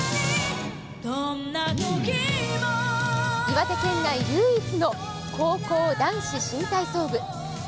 岩手県内唯一の高校男子新体操部。